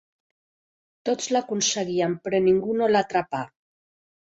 Tots l'aconseguien, però ningú no l'atrapà.